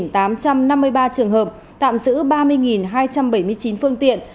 một mươi hai tám trăm năm mươi ba trường hợp tạm giữ ba mươi hai trăm bảy mươi chín phương tiện